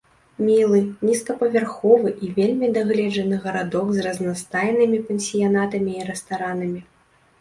Мілы, нізкапавярховы і вельмі дагледжаны гарадок з разнастайнымі пансіянатамі і рэстаранамі.